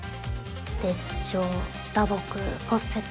裂傷打撲骨折